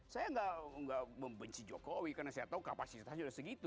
saya nggak membenci jokowi karena saya tahu kapasitasnya sudah segitu